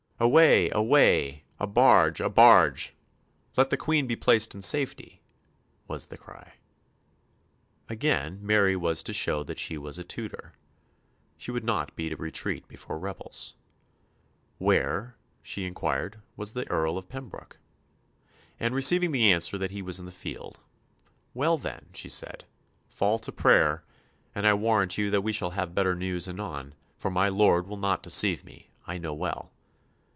"Away, away! a barge, a barge! let the Queen be placed in safety!" was the cry. Again Mary was to show that she was a Tudor. She would not beat a retreat before rebels. Where, she inquired, was the Earl of Pembroke? and receiving the answer that he was in the field, "Well then," she said, "fall to prayer, and I warrant you that we shall have better news anon, for my lord will not deceive me, I know well.